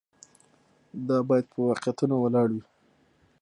دا باید په واقعیتونو ولاړ وي.